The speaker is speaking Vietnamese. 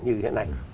như hiện nay